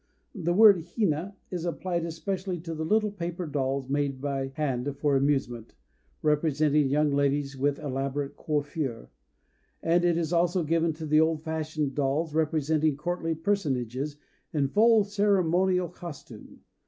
The word hina is applied especially to the little paper dolls made by hand for amusement, representing young ladies with elaborate coiffure; and it is also given to the old fashioned dolls representing courtly personages in full ceremonial costume.